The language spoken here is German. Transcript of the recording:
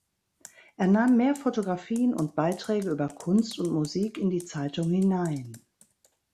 Er nahm mehr Fotografien und Beiträge über Kunst und Musik in die Zeitung hinein.